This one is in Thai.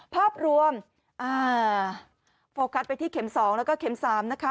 ภาพรวมโฟกัสไปที่เข็ม๒แล้วก็เข็ม๓นะคะ